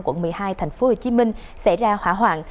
quận một mươi hai thành phố hồ chí minh xảy ra hỏa hoạn